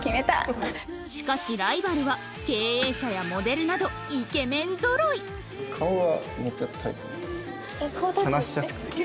しかしライバルは経営者やモデルなどイケメンぞろい話しやすくて。